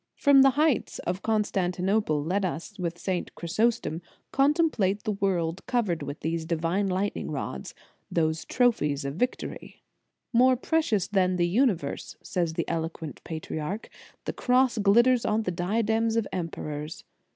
From the heights of Constantinople let us, with St. Chrysostom, contemplate the world covered with those divine lightning rods, those trophies of victory. "More precious than the universe," says the eloquent patriarch, "the Cross glitters on the diadems of emperors.